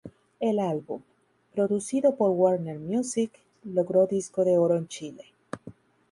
El álbum, producido por Warner Music, logró disco de oro en Chile.